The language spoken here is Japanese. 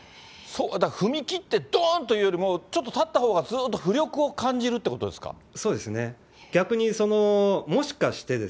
だから踏み切ってどーんというよりも、ちょっと立ったほうが、ずっと浮力を感じるってことですか。